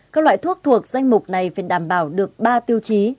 các loại thuốc thuộc danh mục này phải đảm bảo được ba tiêu chí